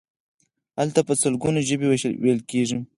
هلته په سلګونو ژبې ویل کیږي.